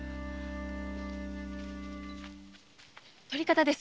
捕り方です。